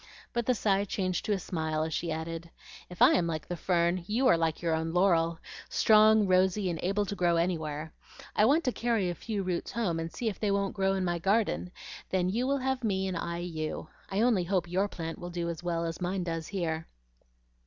But the sigh changed to a smile as she added, "If I am like the fern, you are like your own laurel, strong, rosy, and able to grow anywhere. I want to carry a few roots home, and see if they won't grow in my garden. Then you will have me, and I you. I only hope YOUR plant will do as well as mine does here."